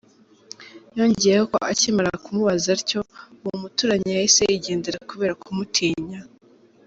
Yongeyeho ko akimara kumubaza atyo, uwo muturanyi yahise yigendera kubera kumutinya.